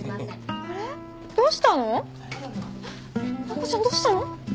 マコちゃんどうしたの？